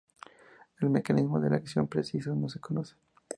El mecanismo de acción preciso no se conoce.